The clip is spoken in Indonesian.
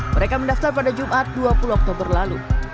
mereka mendaftar pada jumat dua puluh oktober lalu